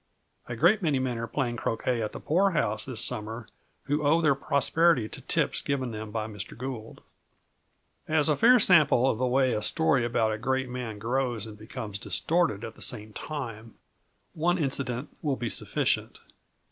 A great many men are playing croquet at the poor house this summer who owe their prosperity to tips given them by Mr. Gould. As a fair sample of the way a story about a great man grows and becomes distorted at the same time, one incident will be sufficient.